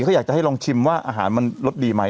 เขาอยากจะให้ลองชิมว่าอาหารมันรสดีไหม